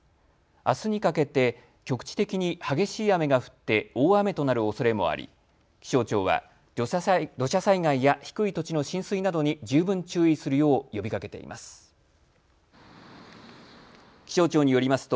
あすにかけて局地的に激しい雨が降って大雨となるおそれもあり気象庁は土砂災害や低い土地の浸水などに十分注意するよう呼びかけています。